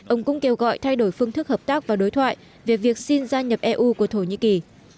ông cũng kêu gọi thay đổi phương thức hợp tác và đối thoại về việc xin gia nhập eu của thổ nhĩ kỳ